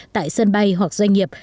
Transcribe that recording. tại sân bay hoặc doanh nghiệp